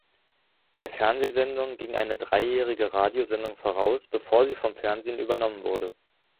Der Fernsehsendung ging eine dreijährige Radiosendung voraus, bevor sie vom Fernsehen übernommen wurde.